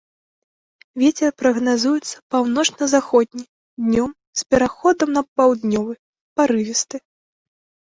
Вецер прагназуецца паўночна-заходні, днём з пераходам на паўднёвы, парывісты.